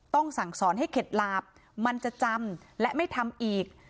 ต้องสั่งสอนให้เข็ดหลาบมันจะจำและไม่ทำอีก